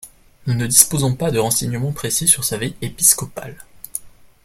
Nous ne disposons pas de renseignements précis sur sa vie épiscopale.